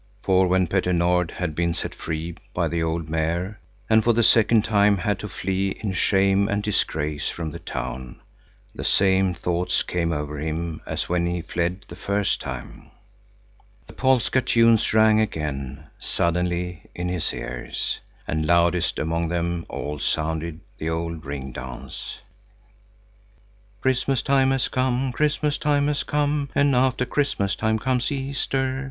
For when Petter Nord had been set free by the old Mayor, and for the second time had to flee in shame and disgrace from the town, the same thoughts came over him as when he fled the first time. The polska tunes rang again suddenly in his ears, and loudest among them all sounded the old ring dance. Christmas time has come, Christmas time has come, And after Christmas time comes Easter.